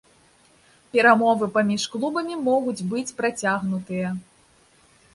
Перамовы паміж клубамі могуць быць працягнутыя.